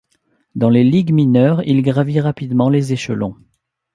Dans les ligues mineures, il gravit rapidement les échelons.